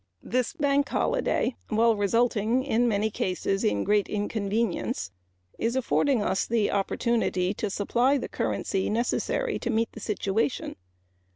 This bank holiday, while resulting in many cases in great inconvenience, is affording us the opportunity to supply the currency necessary to meet the situation.